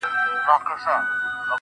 زما افغان ضمير له کاڼو جوړ گلي~